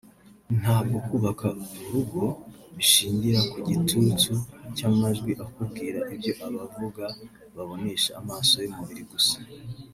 ntabwo kubaka urugo bishingira ku gitutu cy’amajwi akubwira ibyo abavuga babonesha amaso y’umubiri gusa